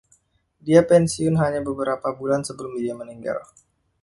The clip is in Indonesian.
Dia pensiun hanya beberapa bulan sebelum dia meninggal.